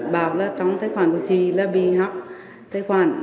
bảo là trong tài khoản của chị là bị học tài khoản